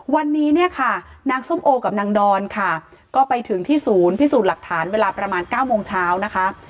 วันนี้เนี่ยค่ะนางส้มโอกับนางดอนค่ะก็ไปถึงที่ศูนย์พิสูจน์หลักฐานเวลาประมาณ๙โมงเช้านะคะ